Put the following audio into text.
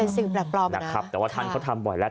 เป็นสิ่งประปรอบนะค่ะแต่ท่านเขาทำบ่อยแล้ว